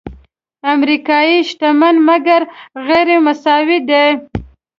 امریکا شتمنه مګر غیرمساوي ده.